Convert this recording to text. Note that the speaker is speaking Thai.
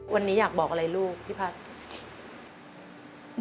วันนี้อยากบอกอะไรลูกพี่พัฒน์